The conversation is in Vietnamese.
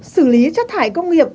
xử lý chất thải công nghiệp